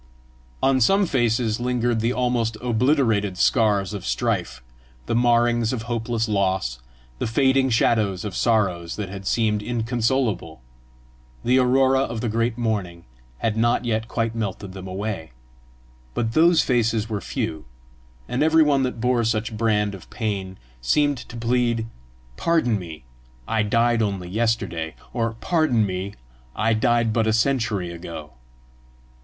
On some faces lingered the almost obliterated scars of strife, the marrings of hopeless loss, the fading shadows of sorrows that had seemed inconsolable: the aurora of the great morning had not yet quite melted them away; but those faces were few, and every one that bore such brand of pain seemed to plead, "Pardon me: I died only yesterday!" or, "Pardon me: I died but a century ago!"